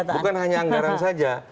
bukan hanya anggaran saja